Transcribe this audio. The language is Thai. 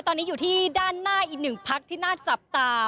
ตอนนี้อยู่ที่ด้านหน้าอีกหนึ่งพักที่น่าจับตา